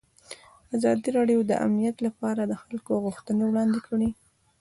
ازادي راډیو د امنیت لپاره د خلکو غوښتنې وړاندې کړي.